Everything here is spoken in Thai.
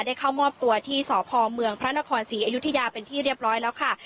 เข้ามอบตัวที่สพเมืองพระนครศรีอยุธยาเป็นที่เรียบร้อยแล้วค่ะ